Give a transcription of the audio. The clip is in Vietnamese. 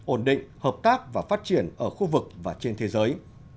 ổn định hợp tác và phát triển ở khu vực và trên thế giới